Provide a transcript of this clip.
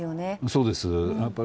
そうです。